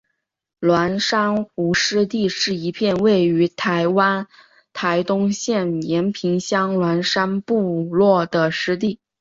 鸾山湖湿地是一片位于台湾台东县延平乡鸾山部落的湿地。